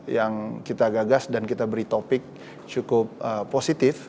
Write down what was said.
yang kita gagas dan kita beri topik cukup positif